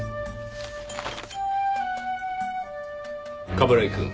冠城くん。